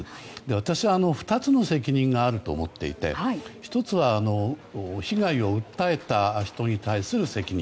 私は２つの責任があると思っていて１つは、被害を訴えた人に対する責任。